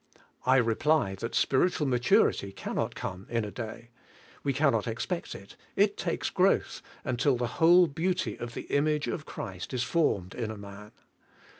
I reply that spiritual maturity cannot come in a day. We can not expect it. It takes growth, until the whole beauty of the image of Christ is formed in a man.